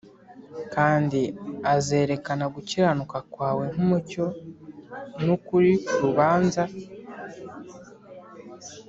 Kandi azerekana gukiranuka kwawe nk’umucyo, n’ukuri k’urubanza